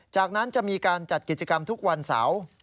จากนั้นจะมีการจัดกิจกรรมทุกวันเสาร์